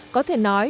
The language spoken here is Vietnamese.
có thể nói